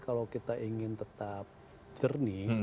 kalau kita ingin tetap jernih